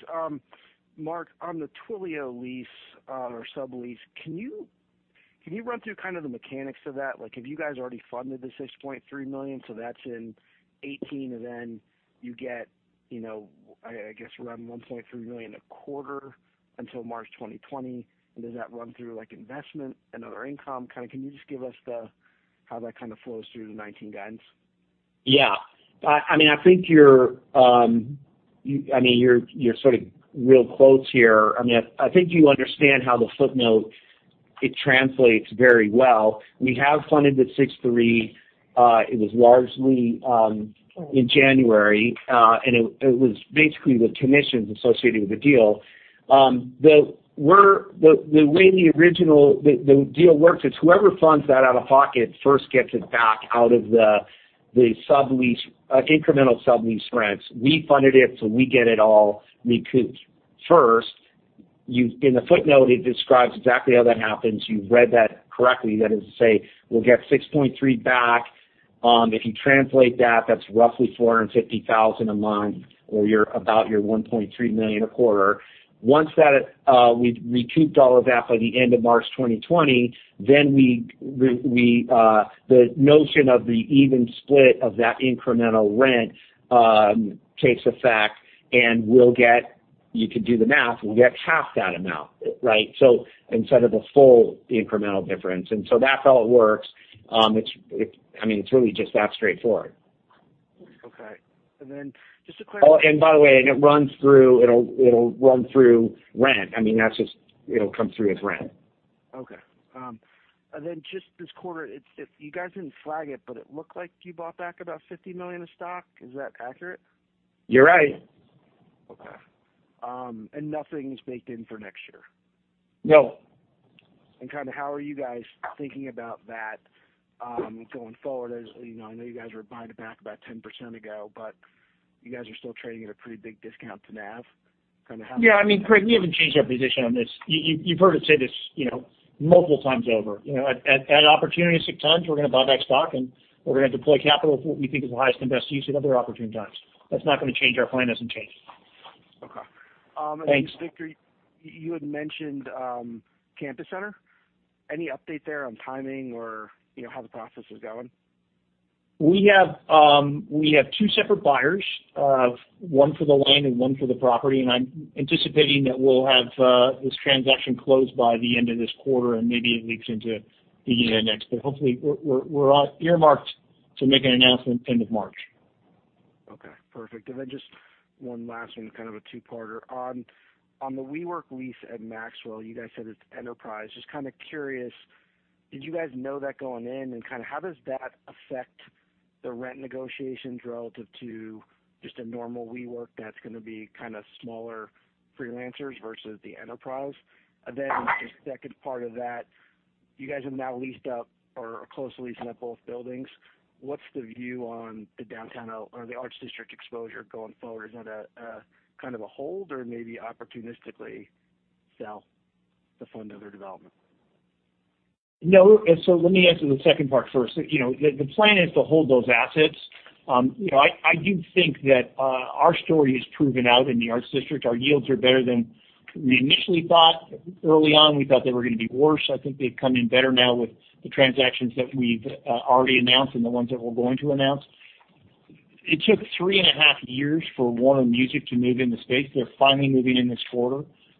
Mark, on the Twilio lease or sublease, can you run through kind of the mechanics of that? Like, have you guys already funded the $6.3 million, so that's in 2018, then you get, I guess, around $1.3 million a quarter until March 2020? Does that run through investment and other income? Can you just give us how that kind of flows through the 2019 guidance? Yeah. I think you're sort of real close here. I think you understand how the footnote translates very well. We have funded the $6.3 million. It was largely in January, it was basically the commissions associated with the deal. The way the deal works is whoever funds that out of pocket first gets it back out of the incremental sublease rents. We funded it, we get it all recouped first. In the footnote, it describes exactly how that happens. You've read that correctly. That is to say, we'll get $6.3 million back. If you translate that's roughly $450,000 a month, or about your $1.3 million a quarter. Once we've recouped all of that by the end of March 2020, the notion of the even split of that incremental rent takes effect, you could do the math. We'll get half that amount, right? Instead of the full incremental difference. That's how it works. It's really just that straightforward. Okay. Just a quick. By the way, it'll run through rent. It'll come through as rent. Okay. Just this quarter, you guys didn't flag it, but it looked like you bought back about $50 million of stock. Is that accurate? You're right. Okay. Nothing's baked in for next year? No. How are you guys thinking about that going forward? As you know, I know you guys were buying it back about 10% ago, but you guys are still trading at a pretty big discount to NAV. Yeah, Craig, we haven't changed our position on this. You've heard us say this multiple times over. At opportunistic times, we're going to buy back stock, and we're going to deploy capital if what we think is the highest and best use at other opportune times. That's not going to change. Our plan hasn't changed. Okay. Thanks. Victor, you had mentioned Campus Center. Any update there on timing or how the process is going? We have two separate buyers, one for the land and one for the property. I'm anticipating that we'll have this transaction closed by the end of this quarter and maybe it leaks into the next. Hopefully, we're earmarked to make an announcement end of March. Okay, perfect. Just one last one, kind of a two-parter. On the WeWork lease at Maxwell, you guys said it's enterprise. Just kind of curious, did you guys know that going in? How does that affect the rent negotiations relative to just a normal WeWork that's going to be kind of smaller freelancers versus the enterprise? The second part of that, you guys have now leased up or are close to leasing up both buildings. What's the view on the downtown or the Arts District exposure going forward? Is that a kind of a hold or maybe opportunistically sell to fund other development? No. Let me answer the second part first. The plan is to hold those assets. I do think that our story has proven out in the Arts District. Our yields are better than we initially thought. Early on, we thought they were going to be worse. I think they've come in better now with the transactions that we've already announced and the ones that we're going to announce. It took three and a half years for Warner Music to move into space. They're finally moving in this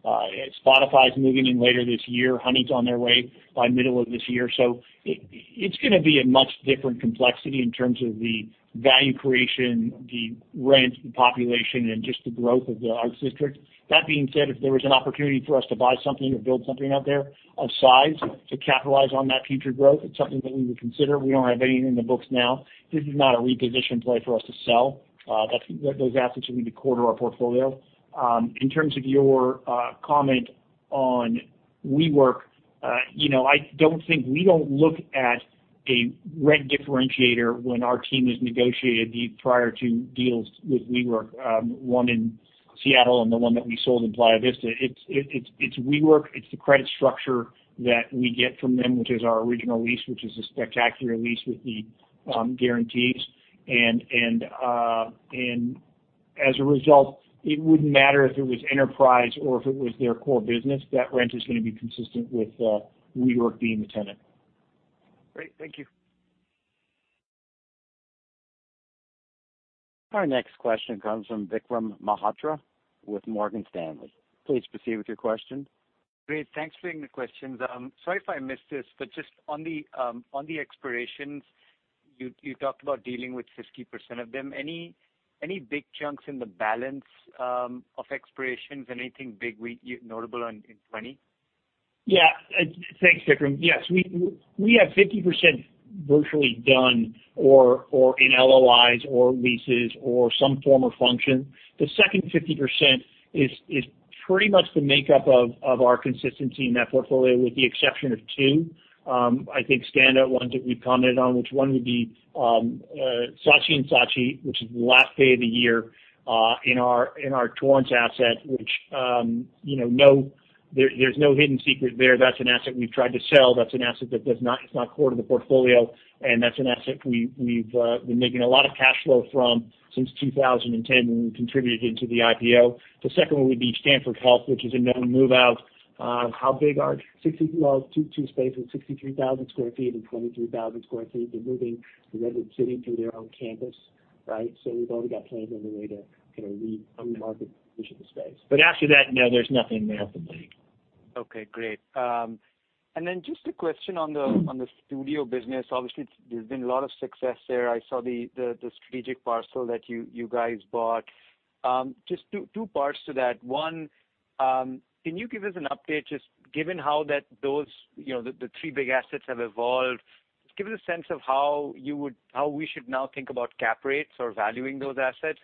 quarter. Spotify's moving in later this year. Honey's on their way by middle of this year. It's going to be a much different complexity in terms of the value creation, the rent, the population, and just the growth of the Arts District. That being said, if there was an opportunity for us to buy something or build something out there of size to capitalize on that future growth, it's something that we would consider. We don't have anything in the books now. This is not a reposition play for us to sell. Those assets are going to be core to our portfolio. In terms of your comment on WeWork, I don't think we don't look at a rent differentiator when our team has negotiated the prior two deals with WeWork, one in Seattle and the one that we sold in Playa Vista. It's WeWork, it's the credit structure that we get from them, which is our original lease, which is a spectacular lease with the guarantees. As a result, it wouldn't matter if it was enterprise or if it was their core business. That rent is going to be consistent with WeWork being the tenant. Great. Thank you. Our next question comes from Vikram Malhotra with Morgan Stanley. Please proceed with your question. Great. Thanks for taking the questions. Sorry if I missed this, but just on the expirations, you talked about dealing with 50% of them. Any big chunks in the balance of expirations? Anything big, notable in 2020? Yeah. Thanks, Vikram. Yes, we have 50% virtually done or in LOIs or leases or some form or function. The second 50% is pretty much the makeup of our consistency in that portfolio, with the exception of two. I think standout ones that we've commented on, which one would be Saatchi & Saatchi, which is the last day of the year in our Torrance asset, which there's no hidden secret there. That's an asset we've tried to sell. That's an asset that it's not core to the portfolio, and that's an asset we've been making a lot of cash flow from since 2010 when we contributed into the IPO. The second one would be Stanford Health, which is a known move out. How big are 60? Well, two spaces, 63,000 square feet and 23,000 square feet. They're moving to Redwood City to their own campus. We've already got plans underway to re-market the additional space. After that, no, there's nothing meaningfully. Okay, great. Just a question on the studio business. Obviously, there's been a lot of success there. I saw the strategic parcel that you guys bought. Just two parts to that. One, can you give us an update, just given how the three big assets have evolved? Give us a sense of how we should now think about cap rates or valuing those assets.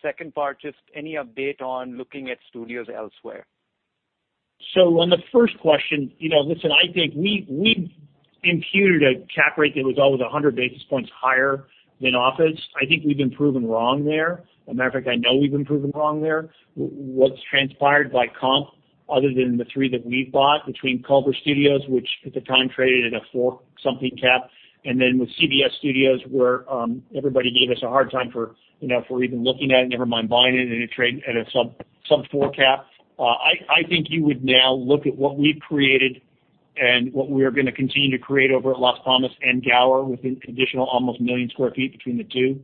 Second part, just any update on looking at studios elsewhere? On the first question, listen, I think we've imputed a cap rate that was always 100 basis points higher than office. I think we've been proven wrong there. A matter of fact, I know we've been proven wrong there. What's transpired by comp other than the three that we've bought between Culver Studios, which at the time traded at a four-something cap, and then with CBS Studios, where everybody gave us a hard time for even looking at it, never mind buying it at a sub-four cap. I think you would now look at what we've created and what we're going to continue to create over at Las Palmas and Gower with an additional almost 1 million square feet between the two.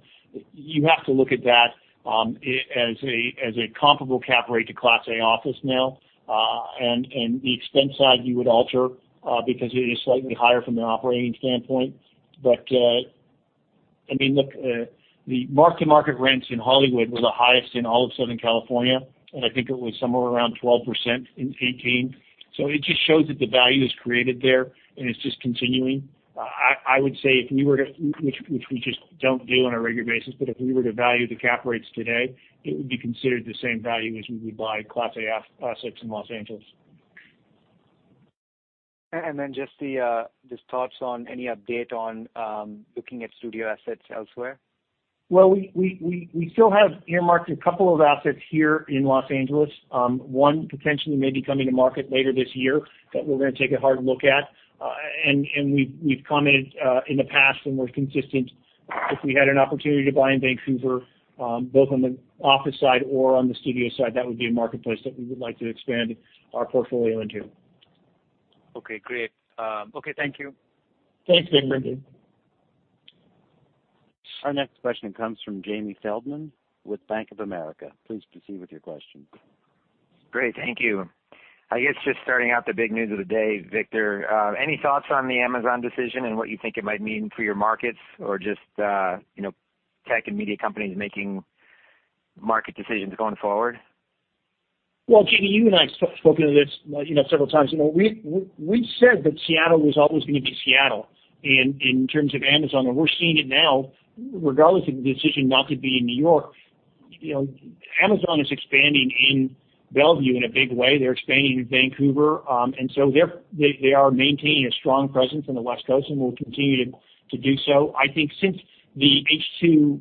You have to look at that as a comparable cap rate to Class A office now. The extent side you would alter because it is slightly higher from an operating standpoint. Look, the mark-to-market rents in Hollywood were the highest in all of Southern California, I think it was somewhere around 12% in 2018. It just shows that the value is created there, and it is just continuing. I would say, which we just don't do on a regular basis, but if we were to value the cap rates today, it would be considered the same value as we would buy Class A assets in Los Angeles. Just thoughts on any update on looking at studio assets elsewhere? Well, we still have earmarked a couple of assets here in Los Angeles. One potentially may be coming to market later this year that we're going to take a hard look at. We've commented in the past, and we're consistent, if we had an opportunity to buy in Vancouver, both on the office side or on the studio side, that would be a marketplace that we would like to expand our portfolio into. Okay, great. Thank you. Thanks, Vikram. Our next question comes from Jamie Feldman with Bank of America. Please proceed with your question. Great. Thank you. I guess just starting out the big news of the day, Victor, any thoughts on the Amazon decision and what you think it might mean for your markets or just tech and media companies making market decisions going forward? Jamie, you and I have spoken to this several times. We've said that Seattle was always going to be Seattle in terms of Amazon, and we're seeing it now, regardless of the decision not to be in New York. Amazon is expanding in Bellevue in a big way. They're expanding in Vancouver. They are maintaining a strong presence on the West Coast and will continue to do so. I think since the HQ2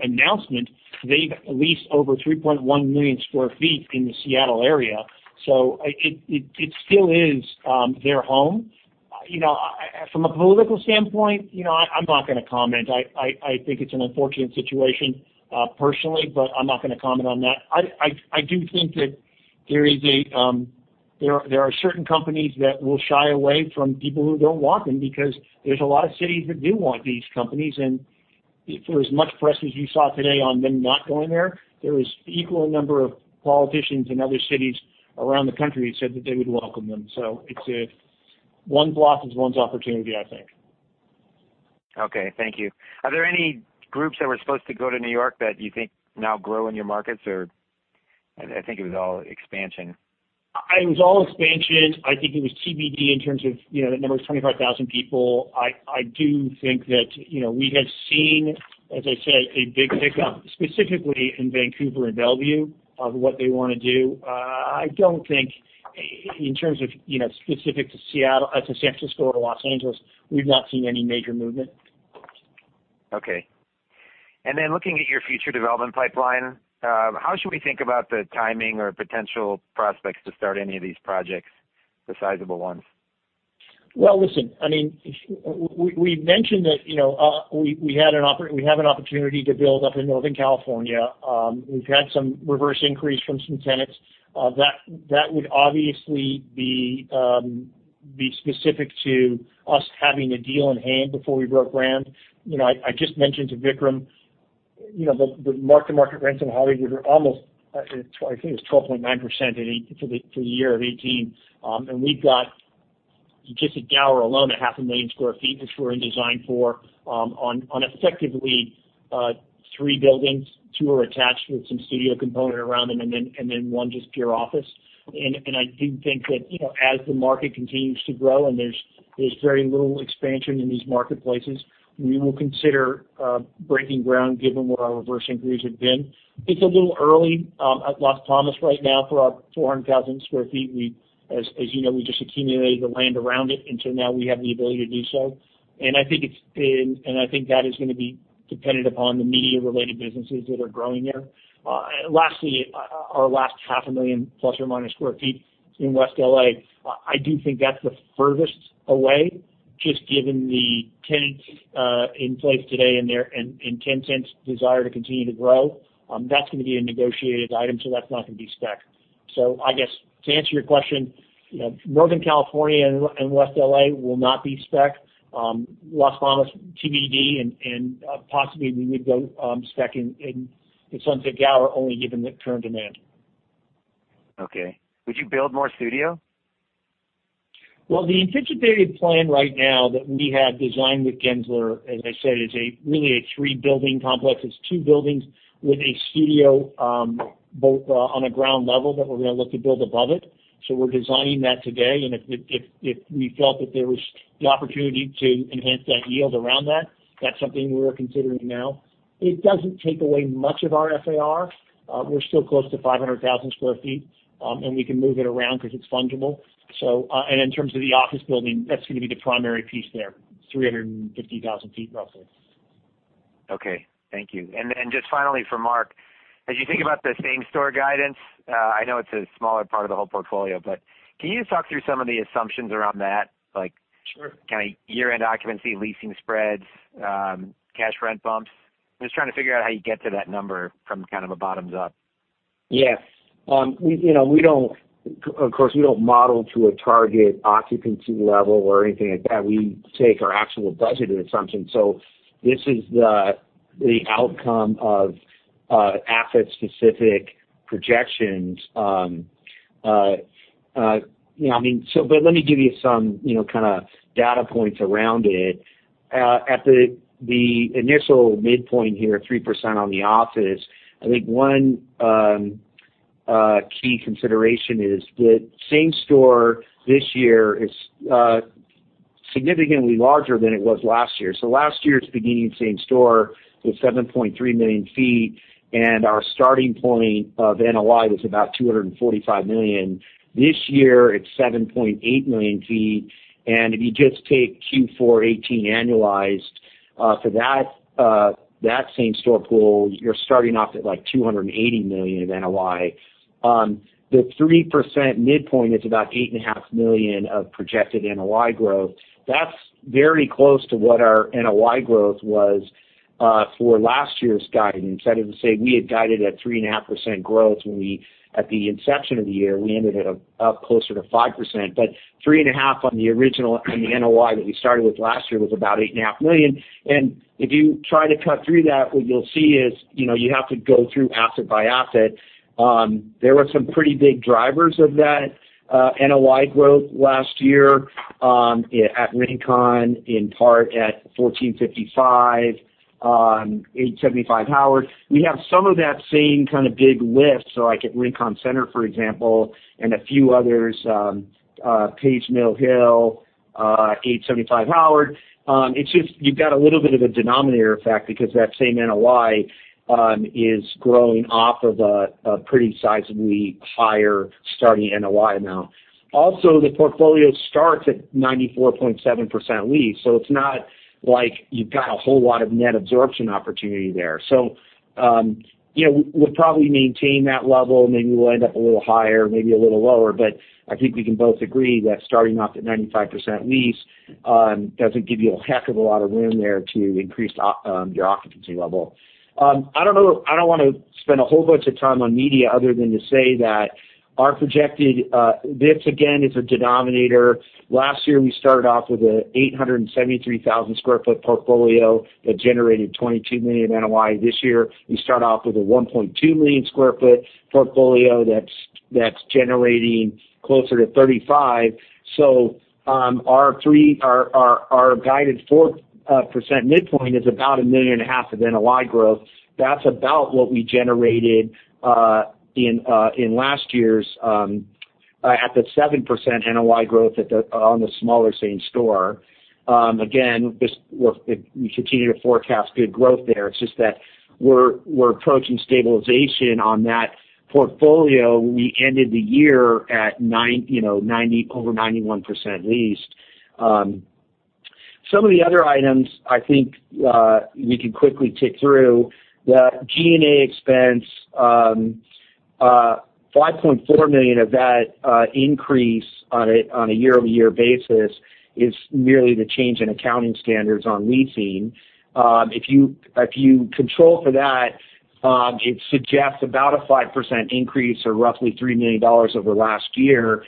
announcement, they've leased over 3.1 million sq ft in the Seattle area, so it still is their home. From a political standpoint, I'm not going to comment. I think it's an unfortunate situation personally, but I'm not going to comment on that. I do think that there are certain companies that will shy away from people who don't want them because there's a lot of cities that do want these companies, and for as much press as you saw today on them not going there is equal number of politicians in other cities around the country who said that they would welcome them. One's loss is one's opportunity, I think. Okay. Thank you. Are there any groups that were supposed to go to New York that you think now grow in your markets, or I think it was all expansion. It was all expansion. I think it was TBD in terms of the number was 25,000 people. I do think that we have seen, as I said, a big pickup, specifically in Vancouver and Bellevue of what they want to do. I don't think in terms of specific to San Francisco or Los Angeles, we've not seen any major movement. Okay. Looking at your future development pipeline, how should we think about the timing or potential prospects to start any of these projects, the sizable ones? Well, listen, we mentioned that we have an opportunity to build up in Northern California. We've had some reverse increase from some tenants. That would obviously be specific to us having a deal in hand before we broke ground. I just mentioned to Vikram, the mark-to-market rents in Hollywood are almost, I think it was 12.9% for the year of 2018. We've got just at Gower alone, a half a million sq ft that we're in design for on effectively three buildings. Two are attached with some studio component around them, and then one just pure office. I do think that as the market continues to grow and there's very little expansion in these marketplaces, we will consider breaking ground given what our reverse inquiries have been. It's a little early at Las Palmas right now for our 400,000 sq ft. As you know, we just accumulated the land around it, now we have the ability to do so. I think that is going to be dependent upon the media-related businesses that are growing there. Lastly, our last half a million plus or minus sq ft in West L.A., I do think that's the furthest away, just given the tenants in place today and their tenants' desire to continue to grow. That's going to be a negotiated item, so that's not going to be spec. I guess to answer your question, Northern California and West L.A. will not be spec. Las Palmas, TBD, possibly we would go spec in Sunset Gower only given the current demand. Okay. Would you build more studio? Well, the anticipated plan right now that we have designed with Gensler, as I said, is really a three-building complex. It's two buildings with a studio, both on a ground level that we're going to look to build above it. We're designing that today, if we felt that there was the opportunity to enhance that yield around that's something we're considering now. It doesn't take away much of our FAR. We're still close to 500,000 sq ft, and we can move it around because it's fungible. In terms of the office building, that's going to be the primary piece there, 350,000 sq ft roughly. Okay. Thank you. Just finally for Mark, as you think about the same-store guidance, I know it's a smaller part of the whole portfolio, but can you just talk through some of the assumptions around that? Sure. Year-end occupancy, leasing spreads, cash rent bumps. I'm just trying to figure out how you get to that number from kind of a bottoms up. Yes. Of course, we don't model to a target occupancy level or anything like that. We take our actual budgeted assumption. This is the outcome of asset-specific projections. Let me give you some kind of data points around it. At the initial midpoint here, 3% on the office, I think one key consideration is that same-store this year is significantly larger than it was last year. Last year's beginning same-store was 7.3 million feet, and our starting point of NOI was about $245 million. This year it's 7.8 million feet. If you just take Q4 2018 annualized, for that same-store pool, you're starting off at like $280 million of NOI. The 3% midpoint is about $8.5 million of projected NOI growth. That's very close to what our NOI growth was for last year's guidance. That is to say we had guided at 3.5% growth at the inception of the year. We ended up closer to 5%. Three and a half on the original NOI that we started with last year was about $8.5 million. If you try to cut through that, what you'll see is you have to go through asset by asset. There were some pretty big drivers of that NOI growth last year, at Rincon, in part at 1455, 875 Howard. We have some of that same kind of big lift, like at Rincon Center, for example, and a few others, Page Mill Hill, 875 Howard. It's just you've got a little bit of a denominator effect because that same NOI is growing off of a pretty sizably higher starting NOI amount. Also, the portfolio starts at 94.7% lease. It's not like you've got a whole lot of net absorption opportunity there. We'll probably maintain that level. Maybe we'll end up a little higher, maybe a little lower. I think we can both agree that starting off at 95% lease, doesn't give you a heck of a lot of room there to increase your occupancy level. I don't want to spend a whole bunch of time on media other than to say that our projected this again is a denominator. Last year we started off with a 873,000 square foot portfolio that generated $22 million NOI. This year we start off with a 1.2 million square foot portfolio that's generating closer to $35 million. Our guided 4% midpoint is about $1.5 million of NOI growth. That's about what we generated in last year's at the 7% NOI growth on the smaller same store. Again, we continue to forecast good growth there. It's just that we're approaching stabilization on that portfolio. We ended the year at over 91% leased. Some of the other items I think we can quickly tick through. The G&A expense, $5.4 million of that increase on a year-over-year basis is merely the change in accounting standards on leasing. If you control for that, it suggests about a 5% increase or roughly $3 million over last year.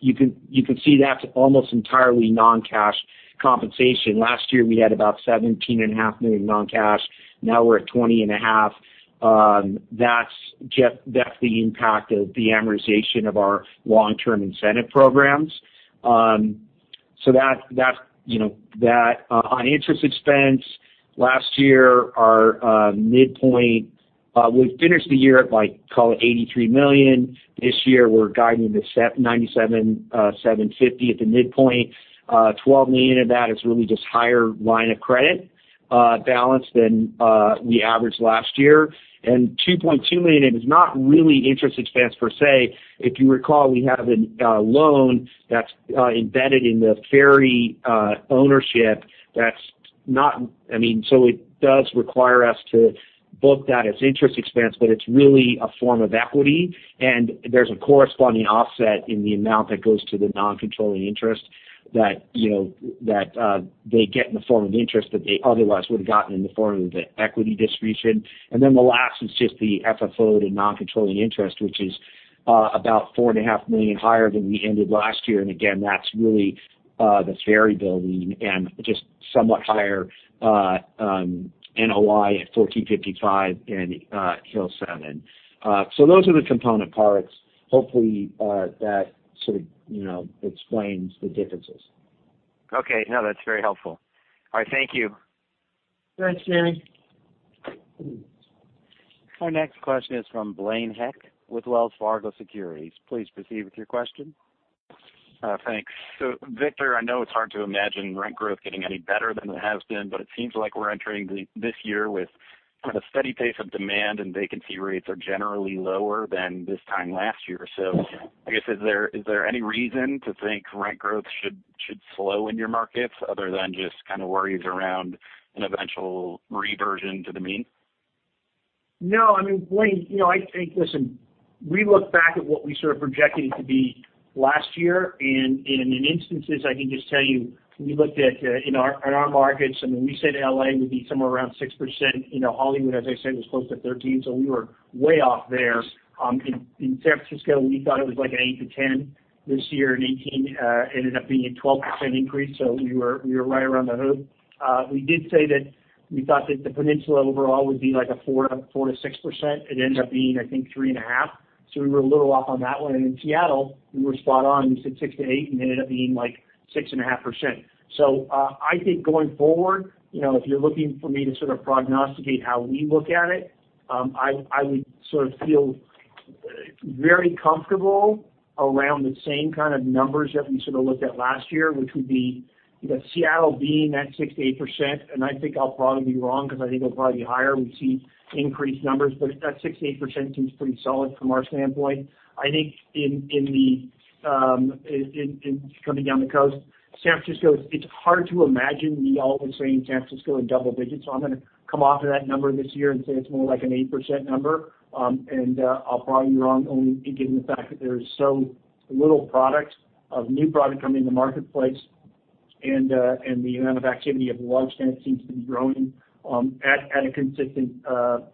You can see that's almost entirely non-cash compensation. Last year we had about $17.5 million non-cash. Now we're at $20.5 million. That's the impact of the amortization of our long-term incentive programs. On interest expense last year, our midpoint, we finished the year at like call it $83 million. This year we're guiding to $97.5 million at the midpoint. $12 million of that is really just higher line of credit balance than we averaged last year. $2.2 million is not really interest expense per se. If you recall, we have a loan that's embedded in the ferry ownership. It does require us to book that as interest expense, but it's really a form of equity, and there's a corresponding offset in the amount that goes to the non-controlling interest that they get in the form of interest that they otherwise would have gotten in the form of the equity distribution. The last is just the FFO to non-controlling interest, which is about $4.5 million higher than we ended last year. Again, that's really the Ferry building and just somewhat higher NOI at 1455 and Hill7. Hopefully, that sort of explains the differences. Okay. No, that's very helpful. All right, thank you. Thanks, Jamie. Our next question is from Blaine Heck with Wells Fargo Securities. Please proceed with your question. Thanks. Victor, I know it's hard to imagine rent growth getting any better than it has been, but it seems like we're entering this year with kind of steady pace of demand and vacancy rates are generally lower than this time last year. I guess, is there any reason to think rent growth should slow in your markets, other than just kind of worries around an eventual reversion to the mean? No, I mean, Blaine, I think, listen, we look back at what we sort of projected to be last year, and in instances, I can just tell you, we looked at in our markets, I mean, we said L.A. would be somewhere around 6%. Hollywood, as I said, was close to 13, so we were way off there. In San Francisco, we thought it was like an 8%-10%. This year in 2018, ended up being a 12% increase. We were right around the hood. We did say that we thought that the peninsula overall would be like a 4%-6%. It ended up being, I think, 3 and a half. We were a little off on that one. In Seattle, we were spot on. We said 6%-8%, and it ended up being like 6.5%. I think going forward, if you're looking for me to sort of prognosticate how we look at it, I would sort of feel very comfortable around the same kind of numbers that we sort of looked at last year, which would be, Seattle being that 6%-8%. I think I'll probably be wrong because I think it'll probably be higher. We see increased numbers. That 6%-8% seems pretty solid from our standpoint. I think in coming down the coast, San Francisco, it's hard to imagine me always saying San Francisco in double digits. I'm going to come off of that number this year and say it's more like an 8% number. I'll probably be wrong only given the fact that there is so little product of new product coming in the marketplace and the amount of activity of large tenants seems to be growing at a consistent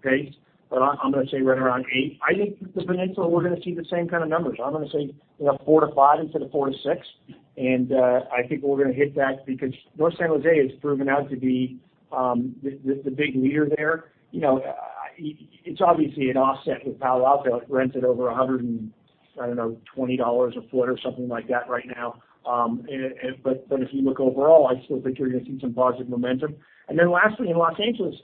pace. I'm going to say right around 8%. I think that the Peninsula, we're going to see the same kind of numbers. I'm going to say 4%-5% instead of 4%-6%. I think we're going to hit that because North San Jose has proven out to be the big leader there. It's obviously an offset with Palo Alto. It rents at over $120 a foot or something like that right now. If you look overall, I still think you're going to see some positive momentum. Lastly, in Los Angeles,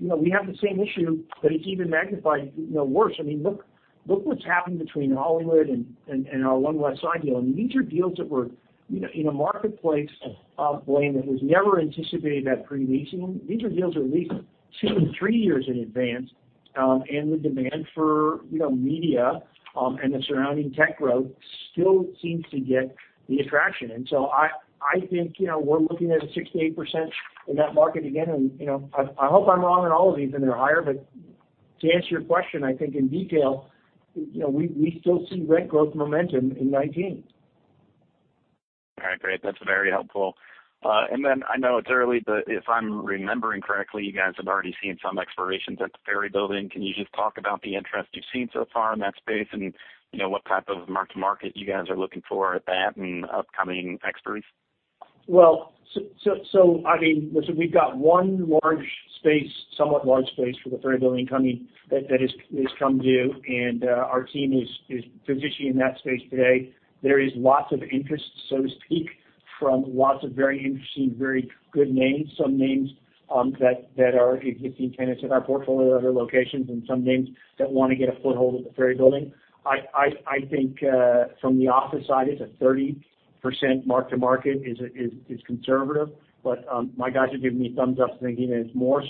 we have the same issue, but it's even magnified worse. I mean, look what's happened between Hollywood and our One Westside deal. I mean, these are deals that were in a marketplace, Blaine, that was never anticipated at pre-leasing. These are deals that are leased 2-3 years in advance. The demand for media and the surrounding tech growth still seems to get the attraction. I think we're looking at a 6%-8% in that market again, and I hope I'm wrong on all of these and they're higher. To answer your question, I think in detail, we still see rent growth momentum in 2019. All right. Great. That's very helpful. I know it's early, but if I'm remembering correctly, you guys have already seen some expirations at the Ferry Building. Can you just talk about the interest you've seen so far in that space and what type of mark-to-market you guys are looking for at that and upcoming expiries? Listen, we've got one large space, somewhat large space for the Ferry Building coming that has come due. Our team is physically in that space today. There is lots of interest, so to speak, from lots of very interesting, very good names, some names that are existing tenants in our portfolio at other locations and some names that want to get a foothold at the Ferry Building. I think from the office side, it's a 30% mark-to-market is conservative, but my guys are giving me a thumbs up, thinking that it's more.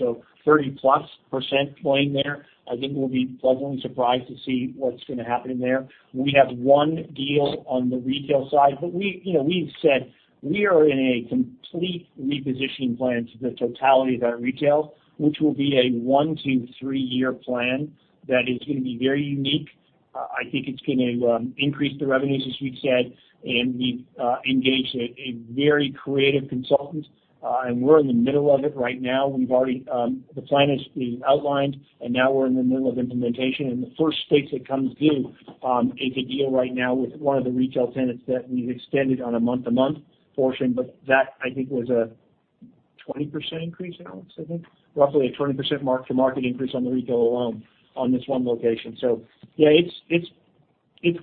30-plus percent, Blaine, there. I think we'll be pleasantly surprised to see what's going to happen in there. We have one deal on the retail side. We've said we are in a complete repositioning plan to the totality of our retail, which will be a one to three-year plan that is going to be very unique. I think it's going to increase the revenues, as we've said. We've engaged a very creative consultant. We're in the middle of it right now. The plan is outlined. Now we're in the middle of implementation. The first space that comes due is a deal right now with one of the retail tenants that we've extended on a month-to-month portion. That, I think, was a 20% increase, Alex, I think. Roughly a 20% mark-to-market increase on the retail alone on this one location. Yeah, it's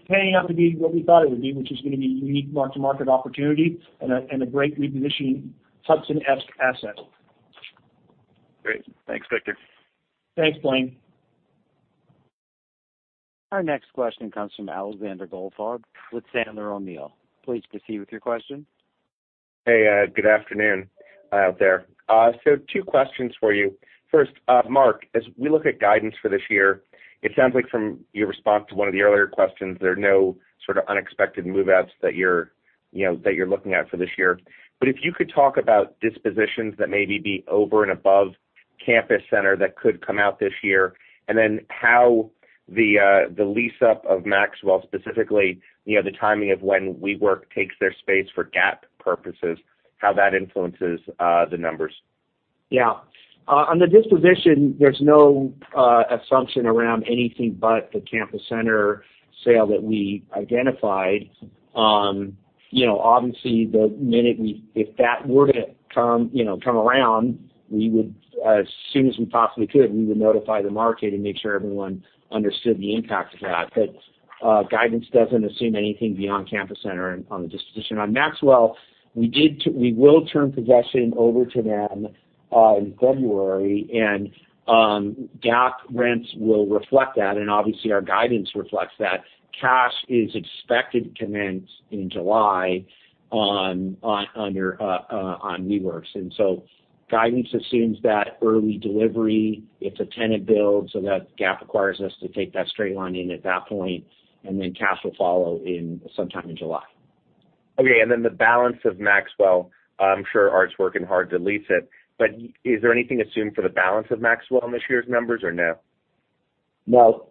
panning out to be what we thought it would be, which is going to be unique mark-to-market opportunity and a great repositioning Hudson asset. Great. Thanks, Victor. Thanks, Blaine. Our next question comes from Alexander Goldfarb with Sandler O'Neill. Please proceed with your question. Hey, good afternoon out there. Two questions for you. First, Mark, as we look at guidance for this year, it sounds like from your response to one of the earlier questions, there are no sort of unexpected move-outs that you're looking at for this year. If you could talk about dispositions that may be over and above Campus Center that could come out this year, and then how the lease-up of Maxwell, specifically, the timing of when WeWork takes their space for GAAP purposes, how that influences the numbers. Yeah. On the disposition, there's no assumption around anything but the Campus Center sale that we identified. Obviously, if that were to come around, as soon as we possibly could, we would notify the market and make sure everyone understood the impact of that. Guidance doesn't assume anything beyond Campus Center on the disposition. On Maxwell, we will turn possession over to them in February, and GAAP rents will reflect that, and obviously, our guidance reflects that. Cash is expected to commence in July on WeWork's. Guidance assumes that early delivery. It's a tenant build, so that GAAP requires us to take that straight line in at that point, and then cash will follow in sometime in July. The balance of Maxwell, I'm sure Art's working hard to lease it. Is there anything assumed for the balance of Maxwell in this year's numbers or no? No.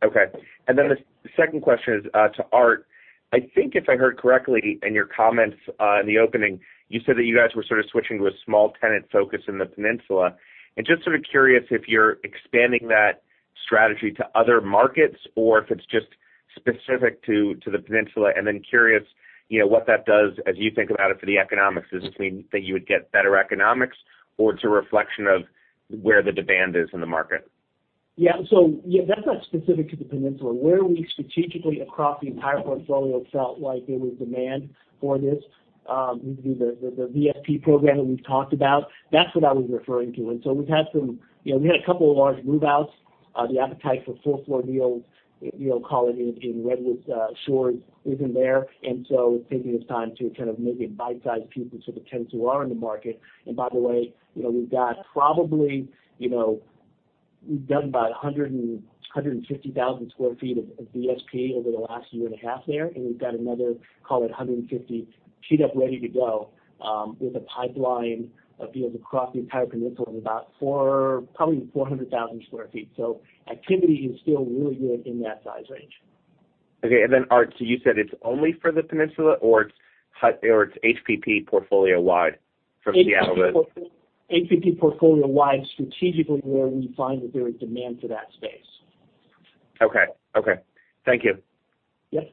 The second question is to Art. I think if I heard correctly in your comments in the opening, you said that you guys were sort of switching to a small tenant focus in the Peninsula. Just sort of curious if you're expanding that strategy to other markets or if it's just specific to the Peninsula, curious what that does as you think about it for the economics. Does it mean that you would get better economics, or it's a reflection of where the demand is in the market? That's not specific to the Peninsula. Where we strategically across the entire portfolio felt like there was demand for this, the VSP program that we've talked about. That's what I was referring to. We had a couple of large move-outs. The appetite for full-floor deals, call it in Redwood Shores, isn't there. Thinking it's time to kind of maybe bite-size pieces of the tenants who are in the market. By the way, we've done about 150,000 square feet of VSP over the last year and a half there, we've got another, call it 150, teed up ready to go with a pipeline of deals across the entire Peninsula of about probably 400,000 square feet. Activity is still really good in that size range. Art, you said it's only for the Peninsula, or it's HPP portfolio-wide from Seattle to- HPP portfolio-wide strategically where we find that there is demand for that space. Okay. Thank you. Yes.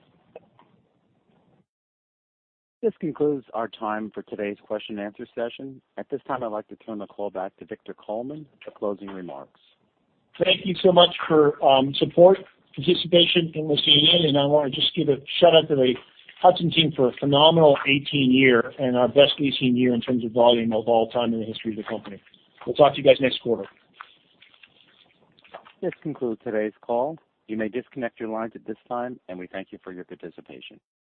This concludes our time for today's question and answer session. At this time, I'd like to turn the call back to Victor Coleman for closing remarks. Thank you so much for support, participation in listening in. I want to just give a shout-out to the Hudson team for a phenomenal 2018 year and our best 2018 year in terms of volume of all time in the history of the company. We'll talk to you guys next quarter. This concludes today's call. You may disconnect your lines at this time, and we thank you for your participation.